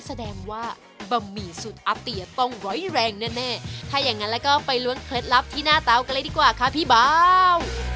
แสดงว่าบะหมี่สุดอาเตียต้องไว้แรงแน่ถ้าอย่างนั้นแล้วก็ไปล้วงเคล็ดลับที่หน้าเตากันเลยดีกว่าค่ะพี่เบา